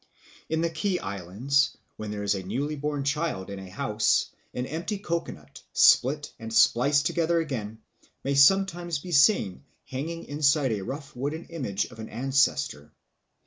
In the Kei Islands, when there is a newly born child in a house, an empty coco nut, split and spliced together again, may sometimes be seen hanging beside a rough wooden image of an ancestor.